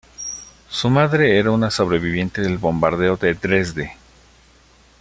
Su madre era una sobreviviente del bombardeo de Dresde.